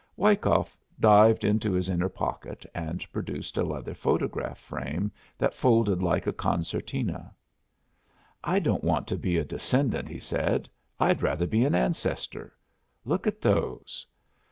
Wyckoff dived into his inner pocket and produced a leather photograph frame that folded like a concertina. "I don't want to be a descendant," he said; "I'd rather be an ancestor. Look at those."